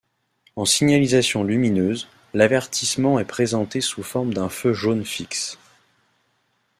En signalisation lumineuse, l'avertissement est présenté sous forme d'un feu jaune fixe.